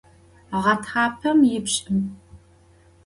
Ğetxapem yipş'ım.